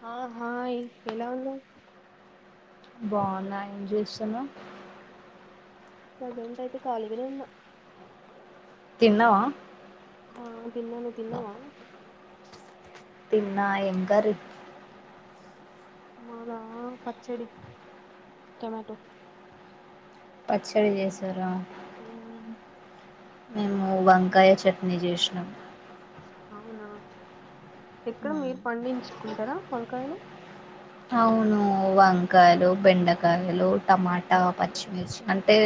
హా హాయి ఏలా ఉన్నావు బాగున్నా ఏం చేస్తున్నావు ప్రెసెంట్ అయితే ఖాళీగానే ఉన్నా తిన్నావా ఆ తిన్నాను నువ్వు తిన్నావా తిన్నా ఏం కర్రీ మాదా పచ్చడి, టొమాటో పచ్చడి చేసారా ఉ మేము వంకాయ చట్నీ చేసినాం అవునా ఎక్కడ మీరు పండించుకుంటారా వంకాయలు కాయలు, బెండకాయలు, టమాటా, పచ్చిమిర్చి అంటే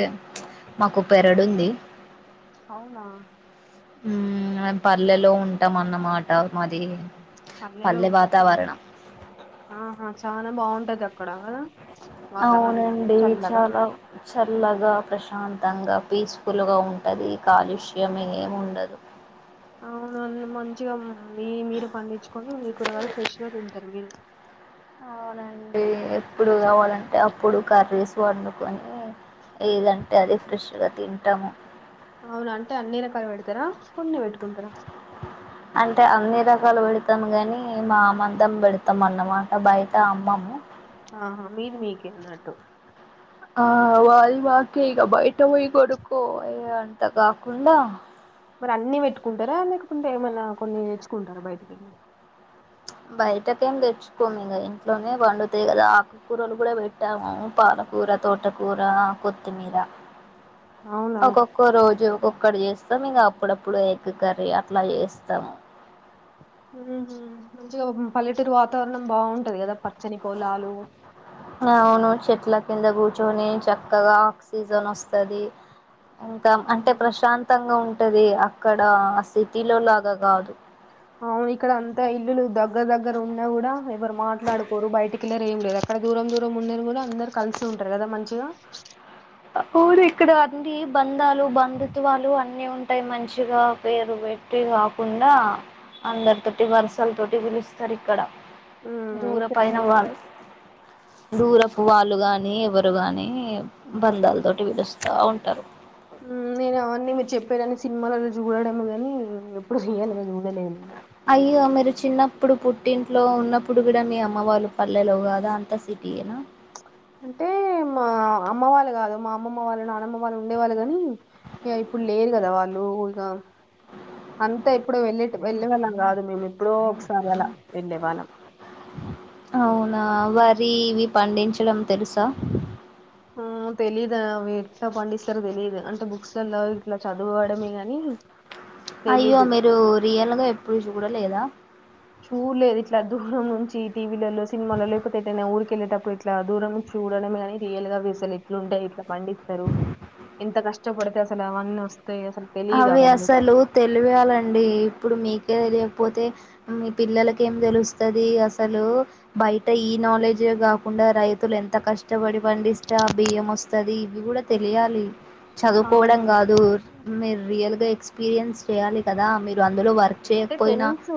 మాకు పెరడు ఉంది అవునా పల్లెలో ఉంటాం అన్నమాట మ పల్లెలో ఉంటారా ఆహా చాలా బాగుంటది కడా అవునండి చాలా చల్లగా ప్రశ్ ప్రశాంతంగా పీస్ఫుల్గా ఉంటది కాలుష్యం ఏమిండదు అవునండి మంచిగా మీ మీరే పండించుకొని మీ కూరగాయాలె ఫ్రెష్గా తింటారు మీరు అండి ఎప్పుడు కావాలంటే అప్పుడు కర్రీస్ వండుకొని ఏదంటే అది ఫ్రెష్గా తింటాము అవును అంటే అన్ని రకాల పెడతారా కొన్ని పెట్టుకుంటారా అంటే అన్ని రకాలు పెడతాము గాని మా మ్మందం పెడతాం అన్నమాట బయట అమ్మము ఆహా మీది మీకే అన్నట్టు ఆ మాది మాకే ఇగా బయట పోయి కోనుకోని అంత కాకుండా మరి అన్ని పెట్టుకుంటారా లేకుంటే ఏమన్నా కొన్ని తెచ్చుకుంటారా బయటికెళ్ళి బయటకేం తెచ్చుకోము ఇంగా ఇంట్లోనే పండుతాయి గదా ఆకుకూరలు కూడా పెట్టాము పాలకూర తోటకూర కొత్తిమీర అవునా ఒక్కొక్కో రోజు ఒక్కక్క అక్కడ చేస్తాం ఇగా అప్పుడప్పుడు ఎగ్ కర్రీ అట్లా చేస్తాము ఉ మంచిగా పల్లెటూరు వాతావరణం బాగుంటది గదా పచ్చని పొలాలు అ అవును చెట్ల కింద కూర్చొని చక్కగా ఆక్సిజన్ వస్తది ఇంకా అంటే ప్రశాంతంగా ఉం ఉంటది అక్కడ ఆ సిటీ లో లాగా గాదు అవును ఇక్కడ అంతా ఇల్లులు దగ్గర దగ్గర ఉన్నా గూడా ఎవరు మాట్లాడుకోరు బయటికి వెళ్లరు ఏం లేదు అక్కడ దూరం దూరం ఉండ గూడా అందరు కలిసి ఉంటారు గదా మంచిగా పూరి ఇక్కడ అన్ని బంద్ బందాలు బంధుత్వాలు అన్ని ఉ అంటే మంచిగా పేరు పెట్టి కాకుండా అందరి తోటి వరుసల తోటి పిలుస్తరు ఇక్కడ ఉమ్, ఇక్కడ దూరపైనా ఏమైనా వాళ్ళు దూరం వాళ్ళు గాని, ఎవరు గాని బంధాల తోటి పిలుస్తా ఉంటారు. మ్ నేను అవన్నీ మీరు చెప్పేదన్ని సినిమాలలో చూడడమే గాని ఎప్పుడు రియల్ గా చూడలేదు. అయ్యే మీరు చిన్నప్పుడు పుట్టింట్లో ఉన్నప్పుడు గూడా మీ అమ్మ వాళ్ళు పల్లెలో గాదా అంత సిటీయేనా అంటే మా అమ్మ వాళ్ళు గాదు మా అమ్మమ్మ వాళ్ళు నానమ్మ వాళ్ళు ఉండే వాళ్ళు కాని ఇప్పుడు లేరు కదా వాళ్ళు. ఇగ అంతా ఎప్పుడో వెళ్ళే వెళ్ళే వాళ్ళం కాదు మేము ఎప్పుడో ఒకసారి అలా వెళ్ళే వాళ్ళం. అవునా వరి ఇవి పండించడం తెలుసా ఉ తెలీదు అవి ఎట్లా పండిస్తారో తెలియదు. అంటే బుక్సలల్లో చేదవడమెగాని అయ్యో మీరు రియల్ గా ఎప్పుడు చూడలేదా చూడలేదు ఇట్లా దూరం నుంచి టీవీలలో, సినిమాలో లేకపోతే, ఏటైనా ఊరికి వెళ్ళేటప్పుడు ఇట్లా దూరం నుంచి చూడడమే, కానీ రియల్ గా అవి అసలు ఎట్లుంటాయి ఎట్లా పండిస్తారు. ఎంత కష్టపడితే అసలు అవన్నీ వస్త అవి అసలు తెలవాలండి ఇప్పుడు మీకే తేలి పోతే మీ పిల్లలకు ఏం తెలుస్తది అసలు. బయట ఈ నాలెడ్జే కాకుండా, రైతులు ఎంత కష్టపడి పడిస్తే, అ బియ్యం వస్తాది తెలియాలి. చదువుకోవడం అవును గాదు రియల్ గా ఎక్స్పీరియన్స్ చేయాలి కదా. మీర్ అంటే తెలుసు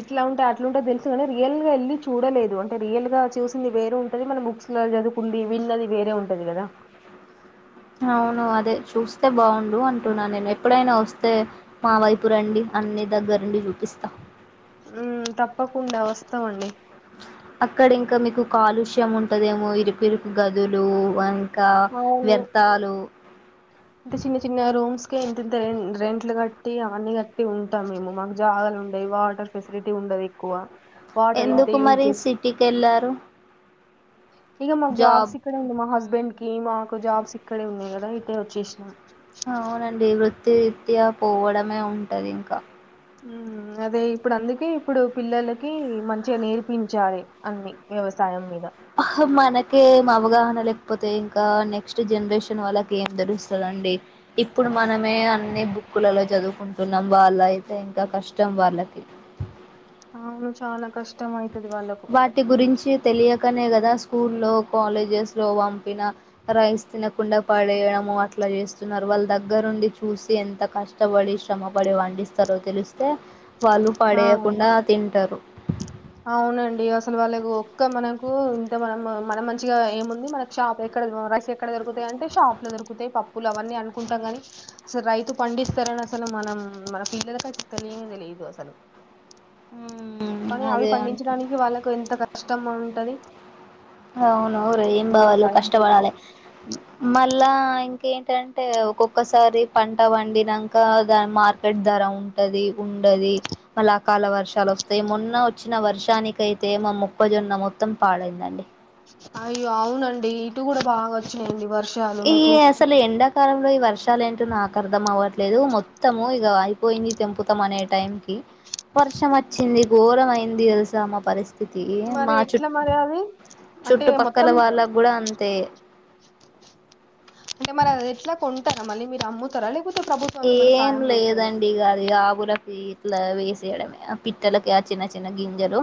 ఇట్లా ఉంటే, అట్లుంటే తెలుసు రియల్ గా వెళ్ళి చూడలేదు, అంటే రియల్ గా చూసింది వేర్ గా ఉంటది. మనం బుక్స్ లో చదువుకుంది, వీళ్ళది వేర్ గా ఉంటది కదా అవును అదే చూస్తే బాగుండు అంటున్నా, నేను ఎప్పుడైనా వస్తే, మా వైపు రండి అన్ని దగ్గరుండి చూపిస్తా. ఉమ్ తప్పకుండా వస్తామండి. అక్కడ ఇంకా మీకు కాలుష్యం ఉంటదేమో ఇరుకు ఇరుకు గదులు అ ఇంకా వ్యర్థాలు. ఇంత చిన్న చిన్న రూమ్స్ కి ఇంతింత రెంట్లు కట్టి వాటర్ ఇంతే ఎందుకు యూజ్ మరి చేసు సిటీకి కెళ్లారు. ఈగ మాకు జాబ్స్ ఇక్కడ ఉంది. మా హస్బెండ్కి ఇ మాకు జాబ్స్ ఇక్కడే ఉన్నాయి కదా అని వచ్చేసినం. తీర్తి పోవడమే ఉంటుంది ఇంకా అదే ఇప్పుడు అందుకే ఇప్పుడు పిల్లలకి మంచిగా నేర్పించాలి. అన్ని వ్యవసాయం మీద మనకే ఏం అవగాహన లేకపోతే ఇంకా నెక్స్ట్ జనరేషన్ వాళ్ళకి ఏం తెలుస్తదండి. ఇప్పుడు మనమే అన్ని బుక్కులలో చదువు కుంటున్నాం వాళ్ళ అయితే ఇంకా కష్టం వాళ్ళకి అవును. చాలా కష్టంమైతే వాటి గురించి తెలియకనే కదా స్కూల్లో వాళ్ళు ఆ పడేయకుండా తింటారు. అవునండి అసలు వాళ్ళ ఒక్క మనకు ఇంత మనం మన మంచిగా ఏముంది మనకి షాప్ ఎక్కడ రైస్ ఎక్కడ దొరుకుతాయి అంటే షాప్ లో దొరుకుతాయి పప్పులు అవన్నీ అనుకుంటాం కాని అసలు రైతు పండిస్తారని అసలు మనం మన ఫీల్లలలకు చెతనే తెలిదు అసలు కానీ అవి అదే అంట పండించడానికి వాళ్ళకు ఎంత కష్టం ఉంటది అవునుర ఏం బవాలు టైంకి కష్టపడాల మళ్ళా ఇంకేం ఏంటే ఒక్కొక్కసారి పంట పండినాక దాని మార్కెట్ ధర ఉంటది ఉండది మళ్ళా కాల వర్షాలు వస్తాయి మొన్న వచ్చిన వర్షానిక అయితే మా మొక్కజొన్న మొత్తం పాడైందండి అయ్యో అవునండి ఇటు కూడా బాగా వచ్చినాయండి వర్ ఈ అసలు ఎండాకాలం ఇలో ఈ వర్షాలు ఏంటో నాకు అర్ధం అవ్వట్లేదు మొత్తము ఇక అయిపోయింది తెంపుతాం అనే టైం క పర్షం వచ్చింది ఘోరమైంది ఇసామ పరిస్ స్ి మరి మా ఎట్లా చుట్ మరి అది చుట్టుపక్కల వాళ్ళ కూడా అంత తే అ అంటే మ ఎట్లా కొ మళ్ీ మీరు అమ్ముతారాలి ఏం లేదండి ఇకది ఆగుల ఇట్లా వేసేయడమే ఆ పిట్టలకి ఆ చిన్న చిన్న గింజలు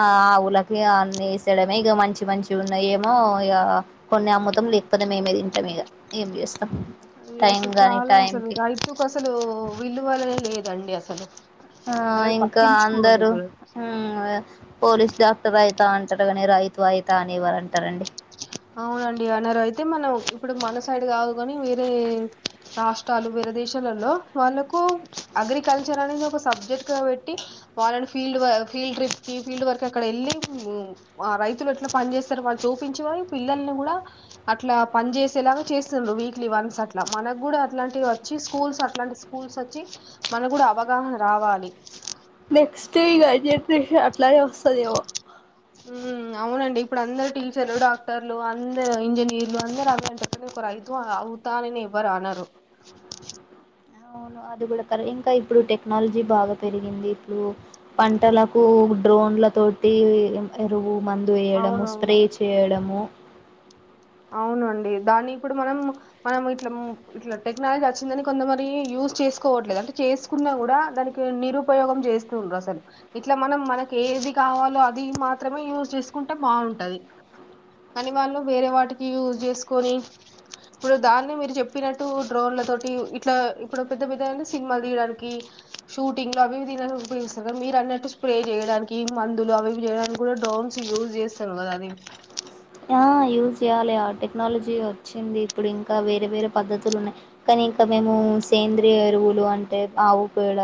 ఆ ఆవులకి అన్ని వేసేయడమే ఇక మంచి మంచి ఉన్నాయ ఏమో ఇక కొన్ని అమ్ముతం లేకపోతే మేమే తింటాం ఇక ఏం చేస్తాం అయ్యో టైం అసలు గానీ చాలా టైం అసలు రైతుకు అసలు విల్లువలనే లేదా అండి అసలు ఆ అసలు ఇంకా పట్టించుకోరు అందరుూ కూడా పోలీస్ డాక్టర్ అయితే అంటారు కాగా రైతు వాయితా అనివ్వ అంటారండి అవునండి అన్నారు అయితే మనం ఇప్పుడు మన సైడ్ కాదు కాని వేరే రాష్ట్రాలు వేరే దేశాలలో వాళ్ళకు అగ్రికల్చర్ అనేది ఒక సబ్జెక్ట్ గా పెట్టి వాళ్ళని ఫీల్డ్ ఫీల్డ్ ట్రిప్కి ఫీల్డ్ వర్క్ అక్కడ వెళ్ళి రైతులు ఎట్లా పని చేేస్తారుో వాళ్ళు చూ పించ పిల్లల్ని కూడా అట్లా పని చేేసేలాగా చేస్తుండ్ర వీక్లీ వన్స్ అట్లా మనకు కూడా అట్లాంటి వచ్చి స్కూల్స్ అట్లాంటి స్కూల్స్ వచ్చి మనకు కూడా అవగాహన రావాలి అట్లానేే వస్తుదేవో ఉ అవునండి ఇప్పుడు అందరు టీచర్లు డాక్టర్లు అందరు ఇంజనీర్లు అందరు అద అంటనే ఒక రైతుం అవుతా అని ఎవరు అన్నారు అవును అది కూడా కర ఇంకా ఇప్పుడు టె టెక్నాలజీ బాగా పెరిగింది ఇప్పుడు పంటలకు డ్రోన్లతోటి ఎరువు మందు వేయడము అవునవును స్ప్రే చేయడము అవునండి దాన్ని ఇప్పుడు మనం మనం ఇట్లా ఇట్లా టెక్నాలజీ వచ్చిందని కొంతమర యూజ్ చేసుకోవట్లేదు అంటే చేసుకున్నా కూడా దానికి నిరుపయోగం చేస్తూ ఉండరు అసలు ఇట్లా మనం మనకి ఏది కావాలో అది మాత్రమే యూస్ చేసుకుంటే బాగుంటది కాని వాళ్ళు వేరే వాటికి యూజ చేసుకొని ఇప్పుడు దాన్నే మీరు చెప్పినట్టు డ్రోన్లతోటి ఇట్లా ఇప్పుడు పెద్ద పెద్ద సినిమాలు తీయడానికి షూటింగ్లు అవివి తినడానికిస్తారు కదా మీరు అన్నట్టు స్ప్రే చేయడానికి మందులు అవివి చేయడానికి కూడా డ్రోన్స్ యూస్్ చేస్తాారు కదా అది యూజ్ చేయ్యాలి ఆ టెక్నాలజీ వచ్చింది ఇప్పుడు ఇంకా వేరే వేరే పద్ధతులు ఉన్నాయి కానీ ఇంకా మేము సేంద్రియ ఎరువులు అంటే ఆవు పేడ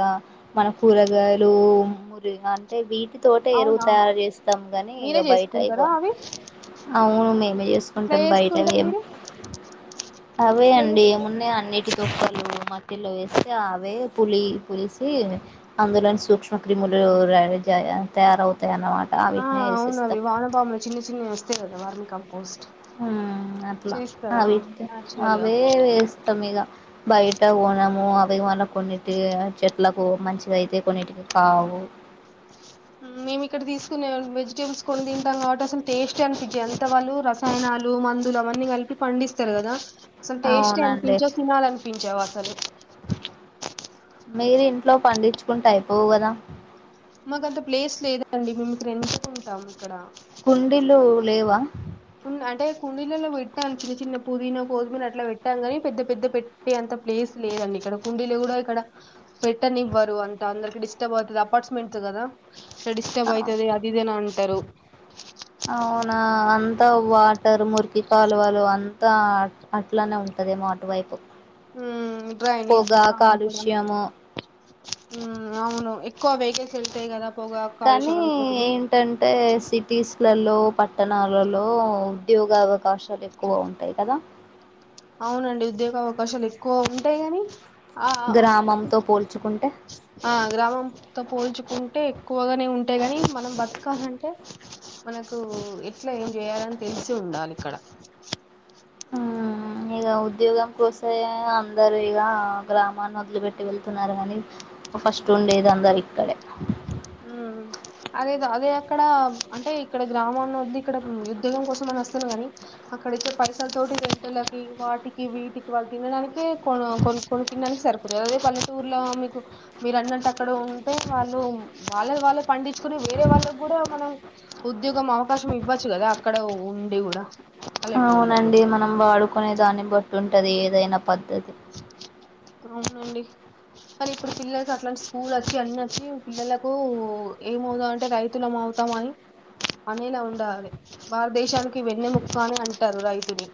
మన కూరగాయలు మురి అంటే వీటి తోట ఎరువు అవునా తయారు చేస్తాం కానీ ఇక మీరే బయట చేసుకుంటారా అయిపోను అవి అవును మేమే ఎట్లా చేసుకుంటాం చేసుకుంటారు బయటవేం మీరు అవే ఎట్లా అండి చేస్- ఏమున్నాయి అన్నిటి సక్కలు మటిలో వేసి అవే పులి పులిసి అందులోని సూక్ష్మ క్రిములు తయారవుత ఆ అవునువి వాహన పాాములు చిన్న చిన్నస్త వరమ కంపస్ట్ అట్లా అవి నాచురల్ గా అవే వేస్తాం ఇక బయట కొనము అవి మన కొన్నిటి చెట్లకు మంచి ఇదయితే కొన్నింటికి కావు మేమి ఇక్కడ తీసుకునే వెజిటేబుల్స్ కొన్ని తింటాం కాబట్టి అసలు టేస్ట్ అనిపించాయి అంత వాళ్ళు రసాయనాలు మందులు అవన్నీ కలిపి పండిస్తారు కదా అసలు టేస్ట్ అవునండి అనిపించా తినాలి అనిపించావా అసలు మీరు ఇంట్లో పండించుకుంటే అయిపోవు కదా మాకు అంత ప్లేస్ లేదండి మేము ఇక్కడ ఎుకుంటాం ఇక్కడ కుండీలు లేవా అంటే కుండీలలో పెట్టాను చిన్న చిన్న పుదీనా కోజమిన అట్లా పెట్టాను కాని పెద్ద పెద్ద పెట్టే అంత ప్లేస్ లేదండి ఇక్కడ కుండీలో కూడా ఇక్కడ పెట్టని ఇవ్వరు అంత అందరికి డిస్టర్బ్ అవుతుంది అపార్ట్మెంట్స్ కదా డిస్టర్బ్ అవుతది అదిదేనా అంటారు అవునా అంతా వాటర్ ముర్కి కాలువాలు అంతా అట్లానే ఉంటుంది మాటువైపు డ్రైనేజ్ దాము కాలుష్యము అవును ఎక్కువ వేక చల్తే కద కానీ ఏంటంటే సిటీస్లలో పట్ట పట్టణాలలో ఉద్యోగ అవకాశాలు ఎక్కువ ఉంటాయి కదా అవునండి ఉద్యోగ అవకాశాలు ఎక్కువ ఉంటాయి గాని ఆ గ్రామంతో పోల్చుకుంటే ఆ గ్రామంతో పోల్చుకుంటే ఎక్కువగానే ఉంటు అంటే ని మనం బతకాలంటే మనకు ఎట్లా ఏం చేయాలని తెలిసి ఉండాలి ఇక్కడ ఇక ఉద్యోగం కోసయ అందరుూ ఇక గ్రామాన్ని వదిలి పెెట్టి వెళ్తున్నారు కానీ ఫస్ట్ ఉండేది అందరు ఇక్కడే అదే అదే అక్కడ అంటే ఇక్కడ గ్రామన్నిది ఇక్కడ ఉద్యోగం కోసం అని వస్తున్నా కాని అక్కడి ఇచ్చే పైసల తోటి రెంటలకి వాటికి వీటికి వాళ్ళు తినడానికే కొ కొన్ని కొన్ని తినడానికి సరిపోతు అదే పల్లెటూరులో మీకు మీరన్నత ఇక్కడ ఉంటే వాళ్ళు వాళ్ళ వాళ్ళ పండించుకుని వేరే వాళ్ళకి కూడా మనం ఉద్యోగం అవకాశం ఇవ్వచ్చు కదా అక్కడ ఉండి కూడా పల్లెటూర్లో కూడా అవునండి మనం వాడుకునే దాన్ని బట్టి తుంటది ఏదైనా పద్ధతి అవునండి కానీ ఇప్పుడు పిల్లలకి అట్లాంటి స్కూల్ వచ్చి అన్ని వచ్చి పిల్లలకు ఏమవుతాం అంటే రైతులుమ అవుతాం అని అనేలా ఉండాలి భారతదేశానికి వెన్నె ముక అని అంటారు రైతుని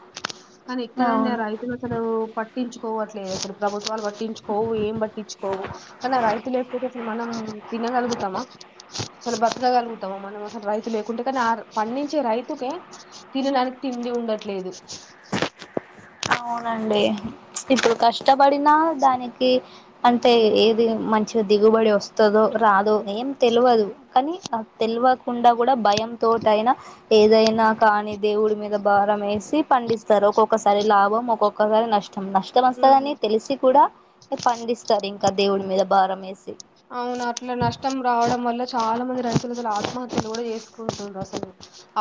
కానీ ఎక్కడండి అవును ఆ రైతులు అసలు ప కోవట్లేదు అసలు ప్రభుత్వాలు పట్టించుకోవు ఏం పట్టించుకోవు కానీ రైతు లేకపోతే అసలు మనం తినగలుగుతామా అసలు తినగలుగుతామ మనం అసలు రైతు లేకుంటే కానీ ఆ పండించే రైతుకే తినడానికి తిండి ఉండట్లేదు అవునండి ఇప్పుడు కష్ట ఇష్టపడిన దానికి అంటే ఏది మంచిగా దిగు ఏం తెల్వదు కానీ ఆ తెలవ కుండ కూడా భయం తోటయినా ఏదైనా కానీ దేవుడి మీద భారం వేసి పండిస్తారు ఒక్కొక ఒకసారి లాభం ఒకోక సారి నష్ట నష్టం వస్తదని తెలిసి కూడా పండిస్తారు ఇంకా దేవుడి మీద బారమేసి అవును అట్లా నష్టం రావడం వల్ల చాలా అవును అట్లా నష్టం రావడం వాళ్ళ చాలా మంది రైతులు అసలు ఆత్మహత్యలు కూడా చేసుకుంట్ర అసలు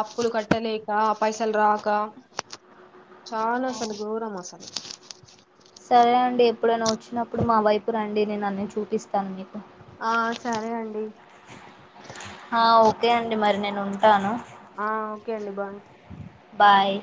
అప్పులు కట్టలేక పైసలు రాక చాాల అసలు గోరం అసలు సరే అండి ఎప్పుడైనా వచ్చినప్పుడు మా వైపు రండి నేను అన్నీ చూపిస్తాను మీకు ఆ సరే అండి ఆ ఓకే అండి మరి నేను ఉంటాను ఆ ఓకే అండి బాయ్ బాయ్